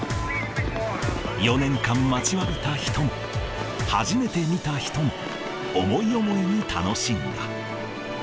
４年間待ちわびた人も、初めて見た人も、思い思いに楽しんだ。